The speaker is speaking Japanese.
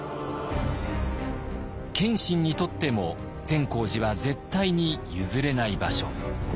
謙信にとっても善光寺は絶対に譲れない場所。